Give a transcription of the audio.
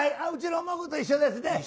うちの孫と一緒ですね。